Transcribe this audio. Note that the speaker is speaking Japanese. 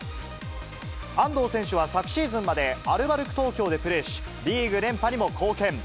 安藤選手は昨シーズンまでアルバルク東京でプレーし、リーグ連覇にも貢献。